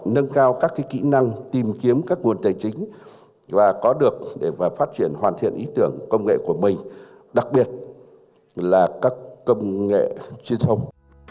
nâng cao các kỹ năng tìm kiếm các nguồn tài chính và có được để phát triển hoàn thiện ý tưởng công nghệ của mình đặc biệt là các công nghệ chuyên thông